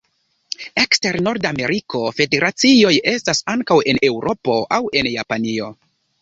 Ekster Norda Ameriko federacioj estas ankaŭ en Eŭropo aŭ en Japanio.